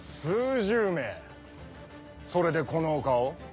それでこの丘を？